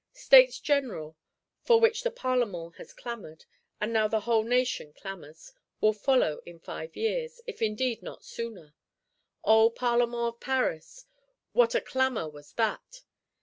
States General, for which the Parlement has clamoured, and now the whole Nation clamours, will follow "in five years,"—if indeed not sooner. O Parlement of Paris, what a clamour was that!